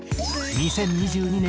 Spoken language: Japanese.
２０２２年